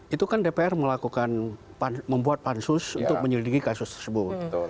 itu kan dpr melakukan membuat pansus untuk menyelidiki kasus tersebut